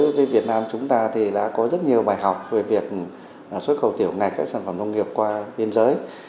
đối với việt nam chúng ta thì đã có rất nhiều bài học về việc xuất khẩu tiểu ngạch các sản phẩm nông nghiệp qua biên giới